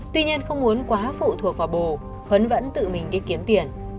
tuy nhiên không muốn quá phụ thuộc vào bồ huấn vẫn tự mình đi kiếm tiền